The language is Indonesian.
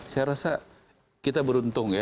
saya rasa kita beruntung ya